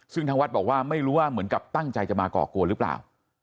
ซึ่งทางวัดบอกว่าไม่รู้ว่าเหมือนกับตั้งใจจะมาก่อกวนหรือเปล่า